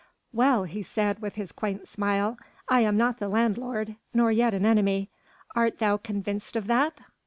"Well!" he said with his quaint smile, "I am not the landlord, nor yet an enemy. Art thou convinced of that?"